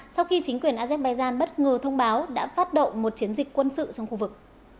sau khi chính quyền azerbaijan bất ngờ thông báo đã phát động một chiến dịch quân sự trong khu vực